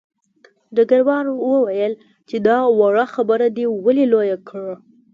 ډګروال وویل چې دا وړه خبره دې ولې لویه کړه